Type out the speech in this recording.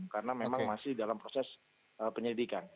karena memang masih dalam proses penyelidikan